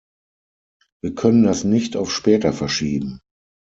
Wir können das nicht auf später verschieben.